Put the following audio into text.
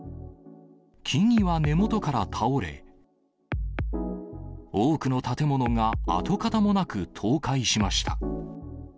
木々は根元から倒れ、多くの建物が、跡形もなく倒壊しました。